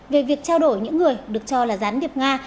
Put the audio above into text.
về việc trao đổi những người được cho là gián điệp nga